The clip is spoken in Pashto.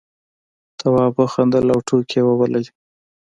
تواب وخندل او ټوکې یې وبللې.